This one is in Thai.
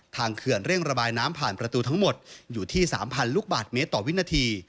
เขื่อนเร่งระบายน้ำผ่านประตูทั้งหมดอยู่ที่๓๐๐ลูกบาทเมตรต่อวินาที